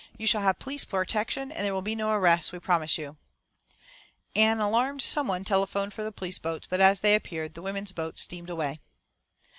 "You shall have police protection, and there will be no arrests, we promise you." An alarmed someone telephoned for the police boats, but as they appeared, the women's boat steamed away.